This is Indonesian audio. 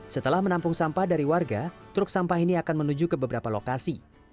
setelah menampung sampah dari warga truk sampah ini akan menuju ke beberapa lokasi